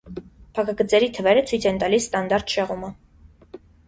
Փակագծերի թվերը ցույց են տալիս ստանդարտ շեղումը։